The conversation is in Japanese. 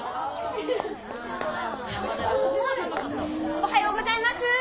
おはようございます！